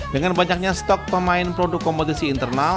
dengan banyaknya stok pemain produk kompetisi internal